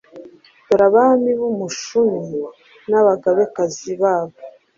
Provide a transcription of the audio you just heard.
Dore Abami b'Umushumi, n'Abagabekazi babo: